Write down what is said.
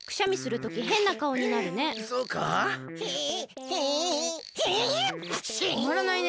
とまらないね。